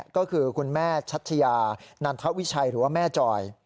ก็คือคุณแม่ชัชยานันทวิชัยหรือว่าแม่จอย